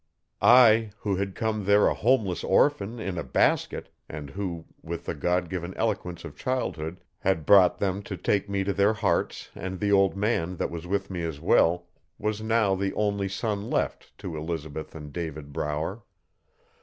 I, who had come there a homeless orphan in a basket, and who, with the God given eloquence of childhood had brought them to take me to their hearts and the old man that was with me as well, was now the only son left to Elizabeth and David Brower.